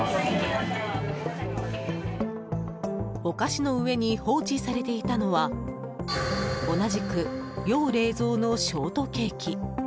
お菓子の上に放置されていたのは同じく要冷蔵のショートケーキ。